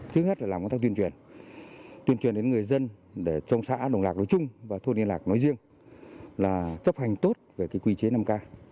thứ nhất là làm công tác tuyên truyền tuyên truyền đến người dân để trong xã đồng lạc nói chung và thôn liên lạc nói riêng là chấp hành tốt về quy chế năm k